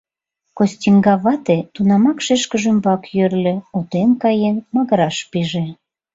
Костиҥга вате тунамак шешкыж ӱмбак йӧрльӧ, утен каен магыраш пиже.